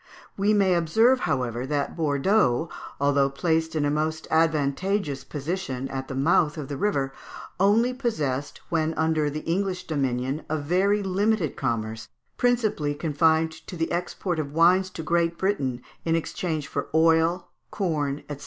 We may observe, however, that Bordeaux, although placed in a most advantageous position, at the mouth of the river, only possessed, when under the English dominion, a very limited commerce, principally confined to the export of wines to Great Britain in exchange for corn, oil, &c.